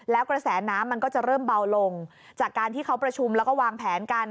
แล้วกระแสน้ำมันก็จะเริ่มเบาลงจากการที่เขาประชุมแล้วก็วางแผนกัน